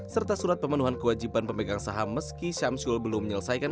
serta surat pemenuhan kewajiban pemegang saham meski syamsul belum menyelesaikan